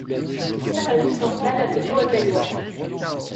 Sa famille s’installe assez tôt à Taïwan.